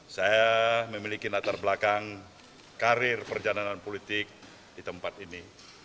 saya memiliki latar belakang karir perjalanan politik di tempat ini